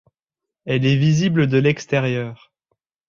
Elle est visible de l'extérieur.